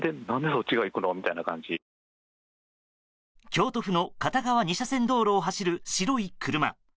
京都府の片側２車線道路を走る白い車。